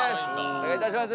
お願いいたします。